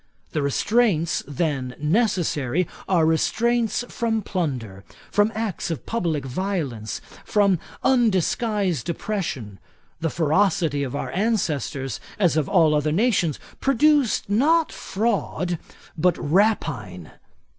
The restraints then necessary, are restraints from plunder, from acts of publick violence, and undisguised oppression. The ferocity of our ancestors, as of all other nations, produced not fraud, but rapine.